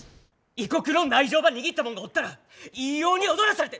異国の内情ば握ったもんがおったらいいように踊らされて。